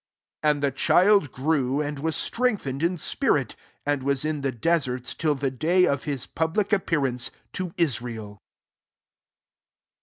80 jind the child grew^ and Was strengthened in spirit ^^ and was in the deserts till the day qf his pubHc appearance to Israel, C*.